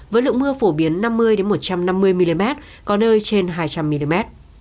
với lượng mưa phổ biến năm mươi một trăm năm mươi mm có nơi trên hai trăm linh mm